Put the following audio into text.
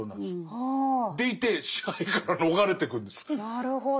なるほど。